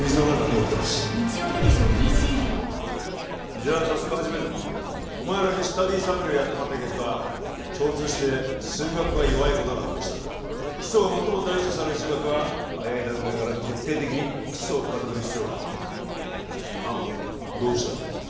じゃあ早速始めるぞお前らにスタディサプリをやってもらった結果共通して数学が弱いことが判明した基礎をもっとも大事とされる数学は早い段階から徹底的に基礎を固める必要がある天野どうしたらいいと思う？